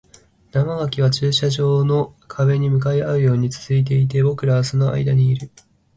生垣は駐車場の壁に向かい合うように続いていて、僕らはその間にいる